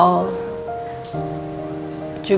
juga video ini sampai kehabisan ya